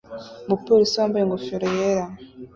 Umupolisi wambaye ingofero yera